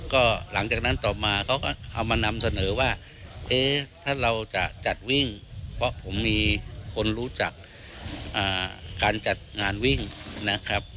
ก็หลังจากนั้นต่อมาเขาก็เอามานำเสนอว่าเอ๊ะถ้าเราจะจัดวิ่งเพราะผมมีคนรู้จักการจัดงานวิ่งนะครับ